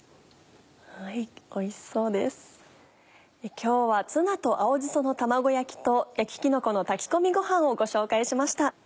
今日は「ツナと青じその卵焼き」と「焼ききのこの炊き込みごはん」をご紹介しました。